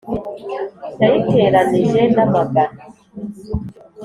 Yayiteranije n'amagana